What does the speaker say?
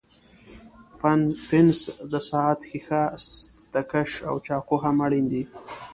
پنس، د ساعت ښيښه، ستکش او چاقو هم اړین دي.